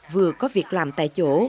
vừa có việc làm tại chỗ